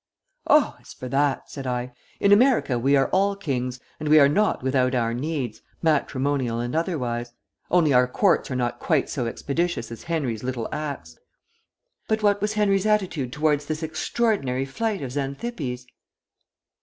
"Oh, as for that," said I, "in America we are all kings and we are not without our needs, matrimonial and otherwise, only our courts are not quite so expeditious as Henry's little axe. But what was Henry's attitude towards this extraordinary flight of Xanthippe's?"